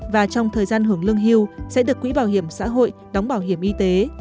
và trong thời gian hưởng lương hưu sẽ được quỹ bảo hiểm xã hội đóng bảo hiểm y tế